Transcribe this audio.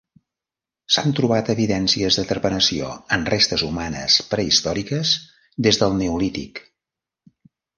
S'han trobat evidències de trepanació en restes humanes prehistòriques des del neolític.